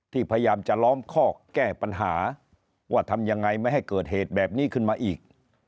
พยายามจะล้อมข้อแก้ปัญหาว่าทำยังไงไม่ให้เกิดเหตุแบบนี้ขึ้นมาอีก